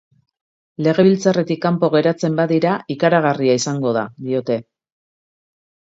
Legebiltzarretik kanpo geratzen badira, ikaragarria izango da, diote.